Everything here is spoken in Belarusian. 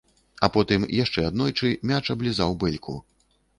А потым яшчэ аднойчы мяч аблізаў бэльку.